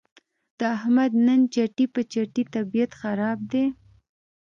د احمد نن چټي په چټي طبیعت خراب دی.